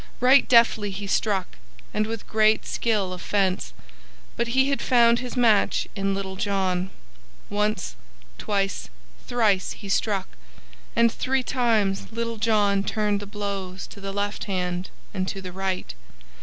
Right deftly he struck, and with great skill of fence, but he had found his match in Little John. Once, twice, thrice, he struck, and three times Little John turned the blows to the left hand and to the right.